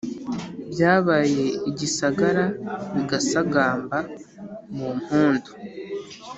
byabaye igisagara bigasagamba mu mpundu